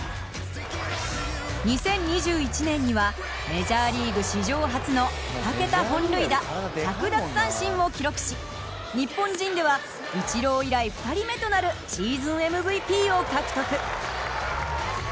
２０２１年にはメジャーリーグ史上初の２桁本塁打１００奪三振を記録し日本人ではイチロー以来２人目となるシーズンＭＶＰを獲得。